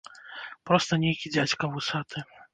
Проста нейкі дзядзька вусаты.